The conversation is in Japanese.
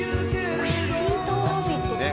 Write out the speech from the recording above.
ピーターラビットって。